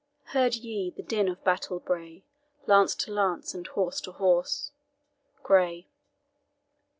Heard ye the din of battle bray, Lance to lance, and horse to horse? GRAY.